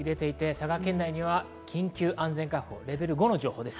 佐賀県内には緊急安全確保レベル５の情報です。